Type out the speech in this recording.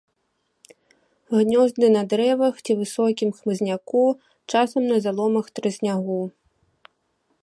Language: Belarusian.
Гнёзды на дрэвах ці высокім хмызняку, часам на заломах трыснягу.